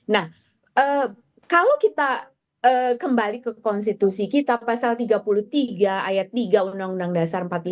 nah kalau kita kembali ke konstitusi kita pasal tiga puluh tiga ayat tiga undang undang dasar empat puluh lima